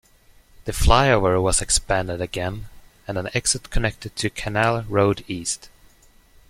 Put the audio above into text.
The flyover was expanded again and an exit connected to Canal Road East.